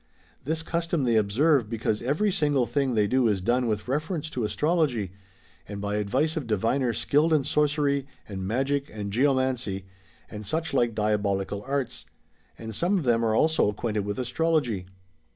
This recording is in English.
This custom they observe because every single thing they do is done with reference to astrology, and by advice of diviners skilled in Sorcery and Magic and Geomancy, and such like diabolical arts ; and some of them are also acquainted with Astrology.